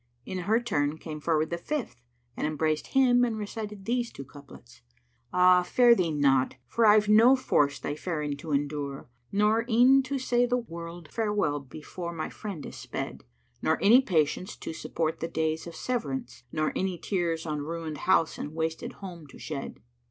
In her turn came forward the fifth and embraced him and recited these two couplets, "Ah, fare thee not; for I've no force thy faring to endure, * Nor e'en to say the word farewell before my friend is sped: Nor any patience to support the days of severance, * Nor any tears on ruined house and wasted home to shed."